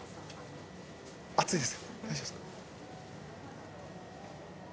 熱いですよ。